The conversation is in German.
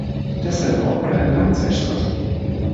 Deshalb brauchen wir eine Langzeitstrategie.